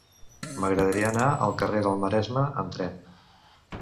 M'agradaria anar al carrer del Maresme amb tren.